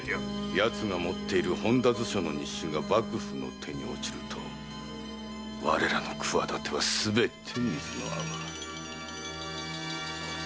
奴が持っている本多図書の日誌が幕府の手に落ちると我らの企てはすべて水の泡。